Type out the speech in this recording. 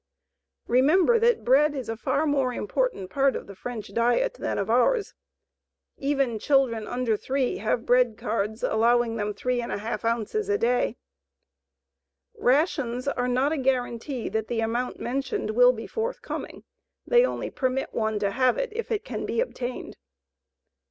Remember that bread is a far more important part of the French diet than of ours. Even children under three have bread cards allowing them 3½ ounces a day. Rations are not a guarantee that the amount mentioned will be forthcoming; they only permit one to have it if it can be obtained.